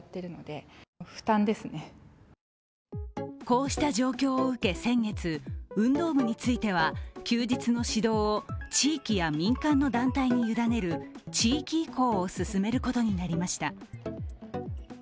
こうした状況を受け、先月運動部については休日の指導を地域や民間の団体にゆだねる地域移行を進めることになりました。